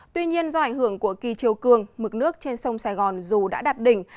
tuy nhiên do ảnh hưởng của kỳ chiều cường mực nước trên sông sài gòn dù đã đạt đỉnh